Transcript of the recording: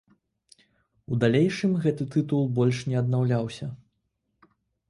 У далейшым гэты тытул больш не аднаўляўся.